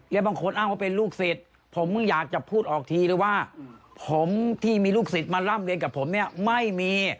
และบางคนอ้างว่าเป็นลูกศิษย์ผมอยากจะพูดออกทีเลยว่าผมที่มีลูกศิษย์มาร่ำเรียนกับผมเนี่ยไม่มี